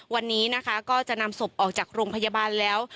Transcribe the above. วันนี้นะคะก็จะนำศพออกจากโรงพยาบาลแล้ว